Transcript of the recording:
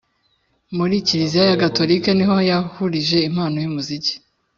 muri kiliziya gatolika niho yakurije impano y’umuziki